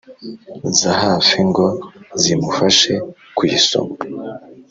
zahafi ngo zimufashe kuyisoma.